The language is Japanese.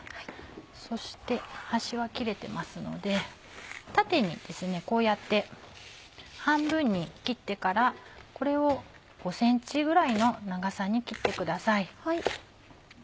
そして端は切れてますので縦にこうやって半分に切ってからこれを５ｃｍぐらいの長さに切ってください。